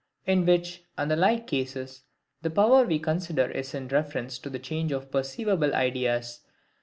In which, and the like cases, the power we consider is in reference to the change of perceivable ideas.